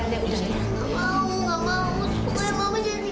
mama mama nyantik sama sita